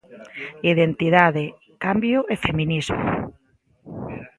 Identidade, cambio e feminismo.